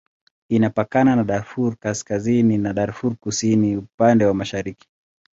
Inapakana na Darfur Kaskazini na Darfur Kusini upande wa mashariki.